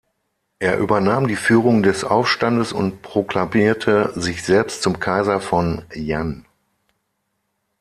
Er übernahm die Führung des Aufstandes und proklamierte sich selbst zum Kaiser von Yan.